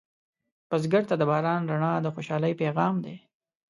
بزګر ته د باران رڼا د خوشحالۍ پیغام دی